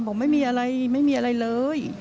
บอกไม่มีอะไรไม่มีอะไรเลย